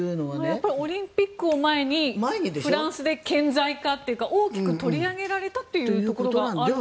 やっぱりオリンピックを前にフランスで顕在化というか大きく取り上げられたということもあるんですかね。